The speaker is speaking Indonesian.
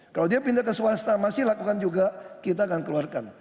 kalau dia pindah ke swasta masih lakukan juga kita akan keluarkan